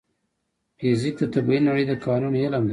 فزیک د طبیعي نړۍ د قوانینو علم دی.